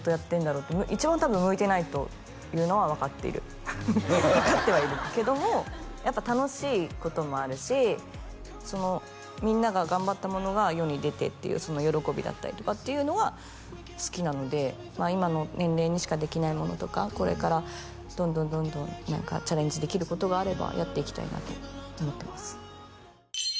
って一番多分向いてないというのは分かっている分かってはいるけどもやっぱ楽しいこともあるしみんなが頑張ったものが世に出てっていうその喜びだったりとかっていうのは好きなのでまあ今の年齢にしかできないものとかこれからどんどんどんどん何かチャレンジできることがあればやっていきたいなと思ってます